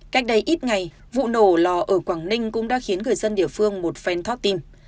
cách đây ít ngày vụ nổ lò ở quảng ninh cũng đã khiến người dân địa phương một phen thoát tim